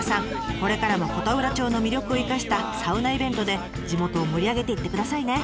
これからも琴浦町の魅力を生かしたサウナイベントで地元を盛り上げていってくださいね。